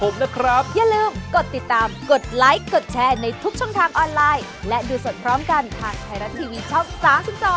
ไม่เอาไม่เอาจ้ะ